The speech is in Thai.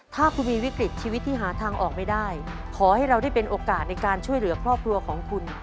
ถ้าคุณมีวิกฤตชีวิตที่หาทางออกไม่ได้ขอให้เราได้เป็นโอกาสในการช่วยเหลือครอบครัวของคุณ